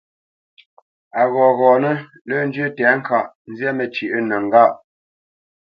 A ghɔghɔnə́ lə́ njyə́ tɛ̌ŋka nzyâ məcywǐnəŋgâʼ.